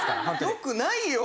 よくないよ！